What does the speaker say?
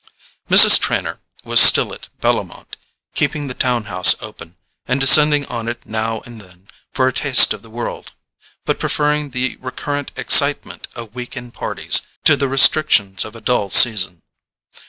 Mrs. Trenor was still at Bellomont, keeping the town house open, and descending on it now and then for a taste of the world, but preferring the recurrent excitement of week end parties to the restrictions of a dull season.